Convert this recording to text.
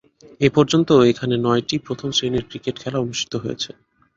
এ পর্যন্ত এখানে নয়টি প্রথম-শ্রেণীর ক্রিকেট খেলা অনুষ্ঠিত হয়েছে।